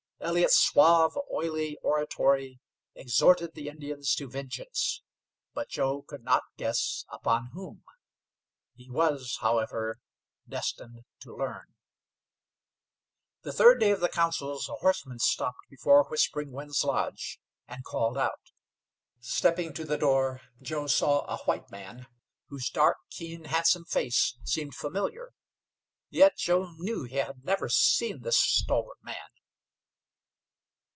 Elliott's suave, oily oratory exhorted the Indians to vengeance. But Joe could not guess upon whom. He was, however, destined to learn. The third day of the councils a horseman stopped before Whispering Winds' lodge, and called out. Stepping to the door, Joe saw a white man, whose dark, keen, handsome face seemed familiar. Yet Joe knew he had never seen this stalwart man.